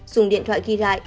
dùng điện thoại ghi lại